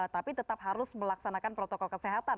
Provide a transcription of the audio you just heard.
tapi tetap harus melaksanakan protokol kesehatan